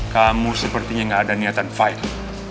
kamu sepertinya gak ada niatan fight